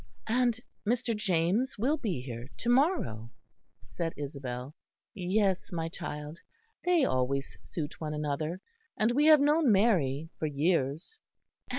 "And Mr. James will be here to morrow?" said Isabel. "Yes, my child. They always suit one another; and we have known Mary for years."